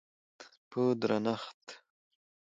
په درنښت،